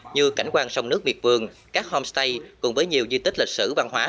như cảnh quan sông nước miệt vườn các homestay cùng với nhiều di tích lịch sử văn hóa